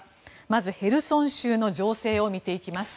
まず、ヘルソン州の情勢を見ていきます。